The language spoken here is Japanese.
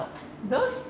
どうして？